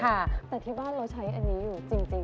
ค่ะแต่ที่บ้านเราใช้อันนี้อยู่จริง